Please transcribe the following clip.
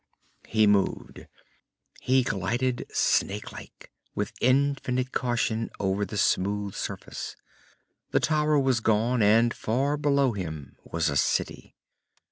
He moved. He glided snakelike, with infinite caution, over the smooth surface. The tower was gone, and far below him was a city.